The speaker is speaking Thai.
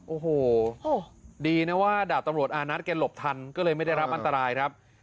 โอ้โหดีนะว่าดาบตำรวจอานัทแกหลบทันก็เลยไม่ได้รับอันตรายครับ